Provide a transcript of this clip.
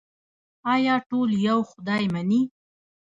آیا ټول یو خدای مني؟